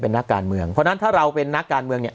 เป็นนักการเมืองเพราะฉะนั้นถ้าเราเป็นนักการเมืองเนี่ย